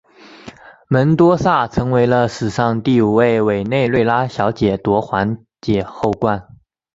门多萨成为了史上第五位委内瑞拉小姐夺环姐后冠。